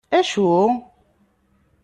Acu?